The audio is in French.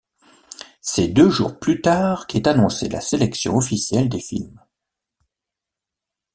C'est deux jours plus tard qu'est annoncée la sélection officielle des films.